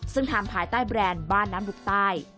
ซึ่งทำภายใต้แบรนด์บ้านน้ำดุกใต้